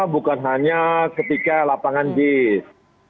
bukan hanya ketika lapangan jis